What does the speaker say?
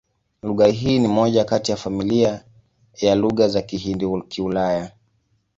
Lugha hii ni moja kati ya familia ya Lugha za Kihindi-Kiulaya.